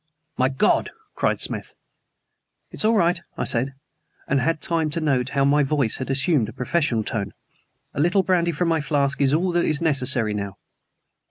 "My God!" cried Smith. "It is all right," I said, and had time to note how my voice had assumed a professional tone. "A little brandy from my flask is all that is necessary now."